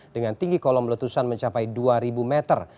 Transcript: dengan tinggi kolom letusan mencapai dua ribu meter